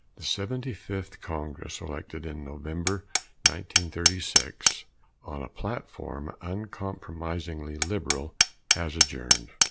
The Seventy Fifth Congress, elected in November, 1936, on a platform uncompromisingly liberal, has adjourned.